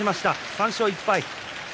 ３勝１敗。